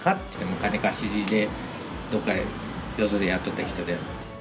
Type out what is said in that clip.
金貸しで、どっかで、よそでやっとった人で。